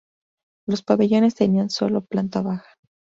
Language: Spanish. Los pabellones tenían sólo planta baja.